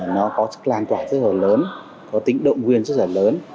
nó có sức lan tỏa rất là lớn có tính động viên rất là lớn